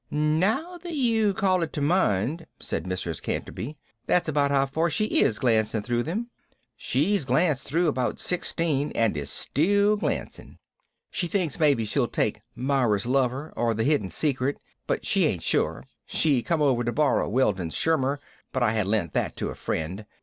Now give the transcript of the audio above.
"Now that you call it to mind," said Mrs. Canterby, "that's about how far she is glancing through them. She's glanced through about sixteen, and she's still glancing. She thinks maybe she'll take 'Myra's Lover, or The Hidden Secret,' but she ain't sure. She come over to borrow 'Weldon Shirmer,' but I had lent that to a friend.